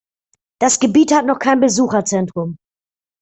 Das Gebiet hat noch kein Besucherzentrum.